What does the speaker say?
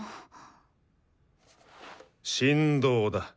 振動だ。